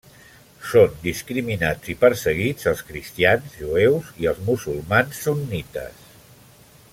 Són discriminats i perseguits els cristians, jueus i els musulmans sunnites.